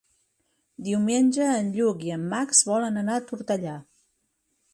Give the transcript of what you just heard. Diumenge en Lluc i en Max volen anar a Tortellà.